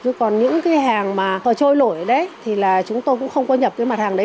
chứ còn những cái hàng mà họ trôi nổi đấy thì là chúng tôi cũng không có nhập cái mặt hàng đấy